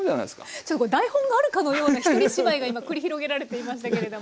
ちょっとこれ台本があるかのような１人芝居が今繰り広げられていましたけれども。